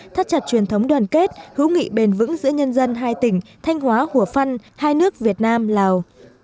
thất chặt truyền thống đoàn kết hữu nghị bền vững giữa nhân dân hai tỉnh thanh hóa hùa phân hai nước việt nam lào